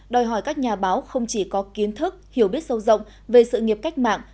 đòi hỏi các nhà báo không chỉ có kiến thức hiểu biết sâu rộng về sự nghiệp cách mạng